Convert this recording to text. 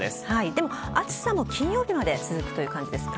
でも暑さも金曜日まで続くという感じですか？